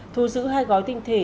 thu giữ hai gói tinh thể